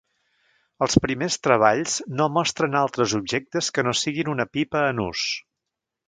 Els primers treballs no mostren altres objectes que no siguin una pipa en ús.